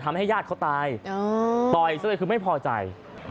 ทำให้ญาติเขาตายต่อยซึ่งเรื่อยคือไม่พอใจ